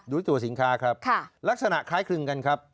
ดูตัวสินค้าครับลักษณะคล้ายคลึงกันครับ